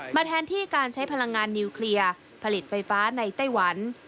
แทนที่การใช้พลังงานนิวเคลียร์ผลิตไฟฟ้าในไต้หวัน